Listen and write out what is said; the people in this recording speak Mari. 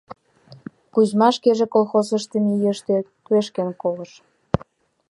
Кузьма шкеже колхоз ыштыме ийыште туешкен колыш.